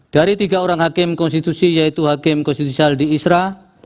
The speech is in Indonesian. dari tiga orang hakim konstitusi yaitu hakim konstitusial di isra